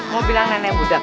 mau bilang nenek budak